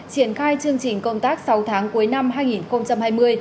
triển khai chương trình công tác sáu tháng cuối năm hai nghìn hai mươi